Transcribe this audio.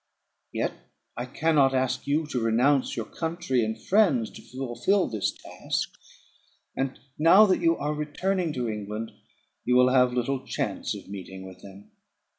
"Yet I cannot ask you to renounce your country and friends, to fulfil this task; and now, that you are returning to England, you will have little chance of meeting with him.